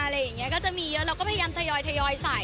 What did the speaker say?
อะไรอย่างนี้ก็จะมีเยอะเราก็พยายามทยอยใส่